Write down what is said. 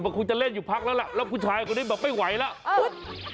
มันคงจะเล่นอยู่พักแล้วล่ะแล้วผู้ชายคนนี้แบบไม่ไหวแล้ว